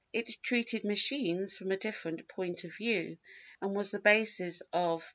It treated machines from a different point of view and was the basis of pp.